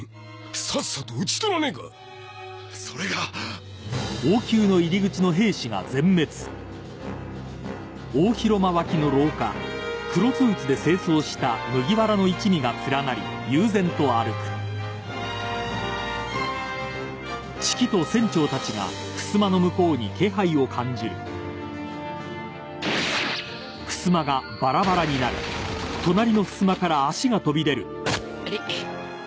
さっさと討ち取らねえかそれがあれ！？